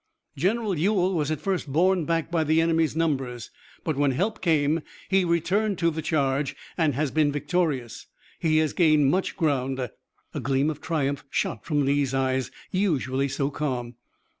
"General Ewell was at first borne back by the enemy's numbers, but when help came he returned to the charge, and has been victorious. He has gained much ground." A gleam of triumph shot from Lee's eyes, usually so calm.